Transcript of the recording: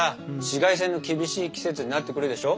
紫外線の厳しい季節になってくるでしょ。